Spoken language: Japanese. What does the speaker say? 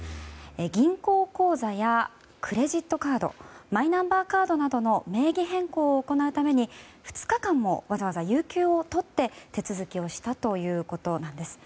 銀行口座やクレジットカードマイナンバーカードなどの名義変更を行うために２日間もわざわざ有休をとって手続きをしたということなんです。